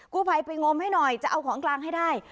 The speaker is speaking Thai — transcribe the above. กู้ภัยไปงมให้หน่อยจะเอาของกลางให้ได้